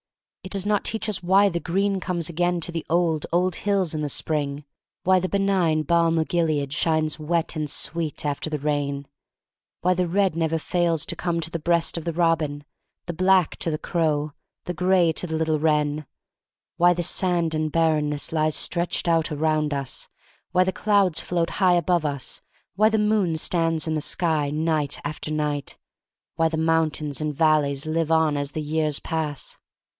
It does not teach us why the green comes again to the old, old hills in the spring; why the benign balm o* Gilead shines wet and sweet after the rain; why the red never faiU 50 THE STORY OF MARY MAC LANE to come to the breast of the robin, the black to the crow, the gray to the little wren; why the sand and barrenness lies stretched out around us; why the clouds float high above us; why the moon stands in the sky, night after night; why the mountains and valleys live on as the years pass.